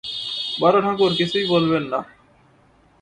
বড়োঠাকুর কিছুই বলবেন না।